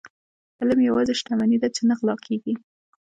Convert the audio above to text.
علم يوازنی شتمني ده چي نه غلا کيږي.